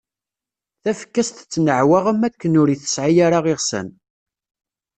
Tafekka-s tettnaɛwaɣ am wakken ur tesɛi ara iɣsan.